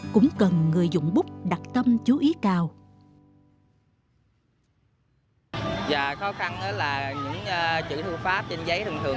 cũng cần người dụng bút đặt tâm chú ý cao và khó khăn đó là những chữ thư pháp trên giấy thường thường